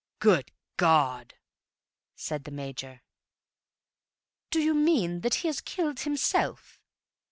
"Good God!" said the Major. "Do you mean that he has killed himself?"